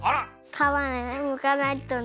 かわむかないとね